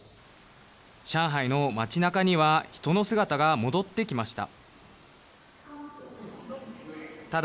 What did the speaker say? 上海の街なかには人の姿が戻ってきました。